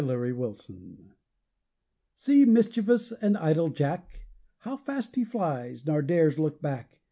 =Idle Jack.= See mischievous and idle Jack! How fast he flies, nor dares look back!